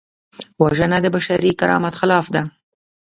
وژنه د بشري کرامت خلاف ده